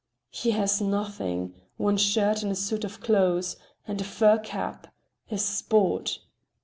"He has nothing. One shirt and a suit of clothes. And a fur cap! A sport!"